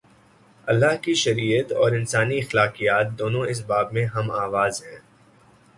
اللہ کی شریعت اور انسانی اخلاقیات، دونوں اس باب میں ہم آواز ہیں۔